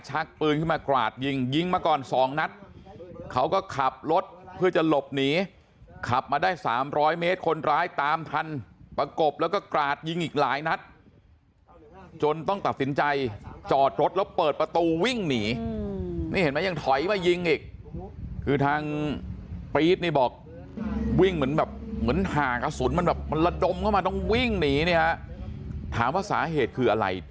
ปืนขึ้นมากราดยิงยิงมาก่อนสองนัดเขาก็ขับรถเพื่อจะหลบหนีขับมาได้๓๐๐เมตรคนร้ายตามทันประกบแล้วก็กราดยิงอีกหลายนัดจนต้องตัดสินใจจอดรถแล้วเปิดประตูวิ่งหนีนี่เห็นไหมยังถอยมายิงอีกคือทางปี๊ดนี่บอกวิ่งเหมือนแบบเหมือนห่างกระสุนมันแบบมันระดมเข้ามาต้องวิ่งหนีเนี่ยฮะถามว่าสาเหตุคืออะไร